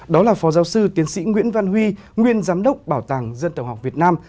đó là phó giáo sư tiến sĩ nguyễn văn huy nguyên giám đốc bảo tàng dân tộc học việt nam